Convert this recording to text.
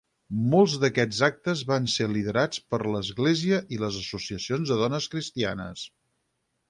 Molts d'aquests actes van ser liderats per l'església i les associacions de dones cristianes.